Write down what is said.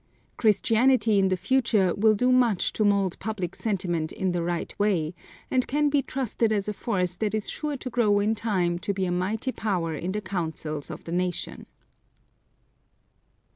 Christianity in the future will do much to mould public sentiment in the right way, and can be trusted as a force that is sure to grow in time to be a mighty power in the councils of the nation.